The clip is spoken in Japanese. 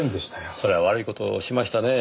それは悪い事をしましたねぇ。